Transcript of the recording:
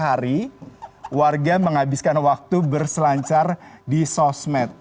jadi setiap jam per hari warga menghabiskan waktu berselancar di sosmed